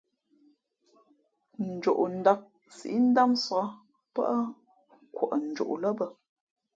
Njoʼndāk síʼ ndámsāk pάʼ kwαʼ njoʼ lά bᾱ.